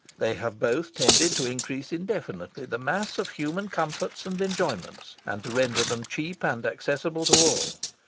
They have both tended to increase indefinitely the mass of human comforts and enjoyments, and to render them cheap and accessible to all.